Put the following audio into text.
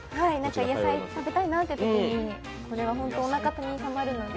野菜食べたいなというときに、これは本当におなかにたまるので。